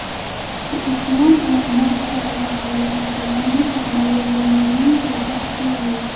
د اسلام پيغمبر ص وفرمايل له نرمي بې برخې وي.